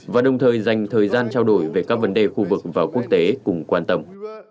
và đồng thời dành thời gian trao đổi về các vấn đề khu vực và quốc tế cùng quan tâm